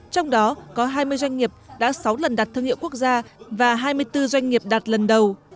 trong đó có hai mươi doanh nghiệp đã sáu lần đặt thương hiệu quốc gia và hai mươi bốn doanh nghiệp đạt lần đầu